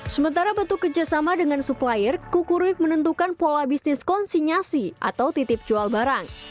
sementara bentuk kerjasama dengan supplier kukurit menentukan pola bisnis konsinyasi atau titip jual barang